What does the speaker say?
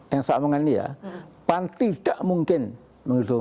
yang saya omongkan ini ya pan tidak mungkin mendukung pak jokowi